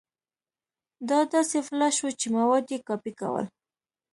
دا داسې فلش و چې مواد يې کاپي کول.